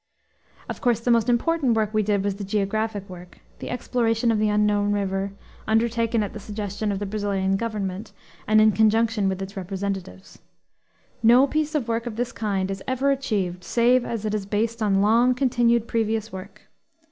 Of course, the most important work we did was the geographic work, the exploration of the unknown river, undertaken at the suggestion of the Brazilian Government, and in conjunction with its representatives. No piece of work of this kind is ever achieved save as it is based on long continued previous work.